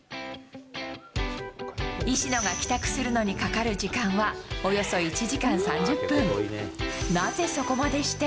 石野が帰宅するのにかかる時間は、およそ１時間３０分。